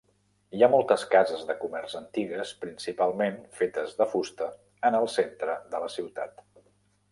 Hi ha moltes cases de comerç antigues, principalment fetes de fusta, en el centre de la ciutat.